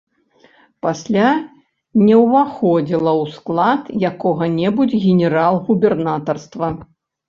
Пасля не ўваходзіла ў склад якога-небудзь генерал-губернатарства.